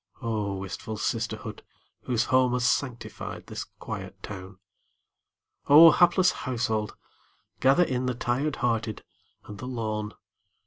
Oh, wistful sisterhood, whose home Has sanctified this quiet town! Oh, hapless household, gather in The tired hearted and the lone!